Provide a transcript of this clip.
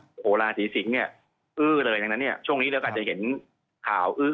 โอ้โหราศีสิงศ์เนี่ยอื้อเลยดังนั้นเนี่ยช่วงนี้เราก็อาจจะเห็นข่าวอื้อ